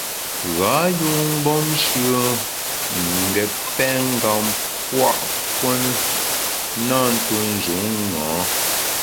Ghâ yun mgbom shùe n’ ngét pèngam pua puo ne, na ntuo njun ṅa.